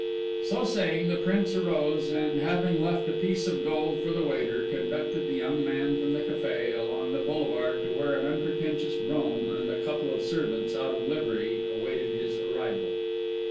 So saying the Prince arose and, having left a piece of gold for the waiter, conducted the young man from the café and along the Boulevard to where an unpretentious brougham and a couple of servants out of livery awaited his arrival.